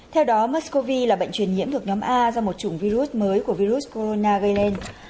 theo đó mexcov là bệnh truyền nhiễm thuộc nhóm a do một chủng virus mới của virus corona gây lên